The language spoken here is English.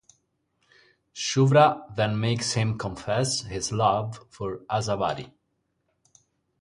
Shubhra then makes him confess his love for Asawari.